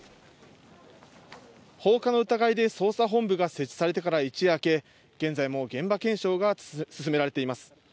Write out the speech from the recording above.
放火の疑いで捜査本部が設置されてから一夜明け、現在も現場検証が進められています。